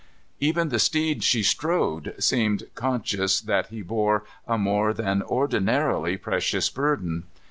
Even the steed she strode seemed conscious that he bore a more than ordinarily precious burden.